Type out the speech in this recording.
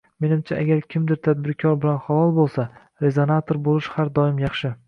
Menimcha, agar kimdir tadbirkor bilan halol boʻlsa, rezonator boʻlish har doim yaxshi.